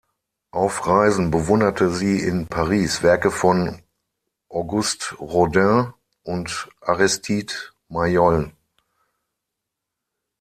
Auf Reisen bewunderte sie in Paris Werke von Auguste Rodin und Aristide Maillol.